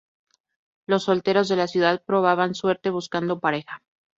Los solteros de la ciudad probaban suerte buscando pareja.